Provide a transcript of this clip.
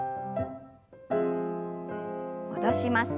戻します。